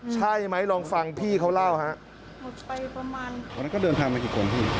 ใช่ไหมลองฟังพี่เขาเล่าฮะหลุดไปประมาณวันนั้นก็เดินทางมากี่คนพี่